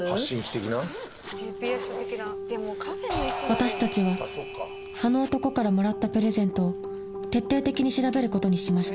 ＧＰＳ的な私たちはあの男からもらったプレゼントを徹底的に調べることにしました